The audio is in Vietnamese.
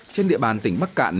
trên địa bàn tỉnh bắc cạn